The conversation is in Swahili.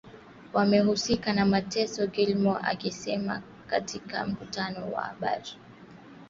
wamehusika na mateso Gilmore alisema katika mkutano na wanahabari